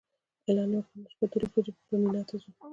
اعلان یې وکړ نن شپه دولس بجې به مینا ته ځو.